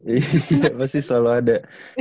iya pasti selalu ada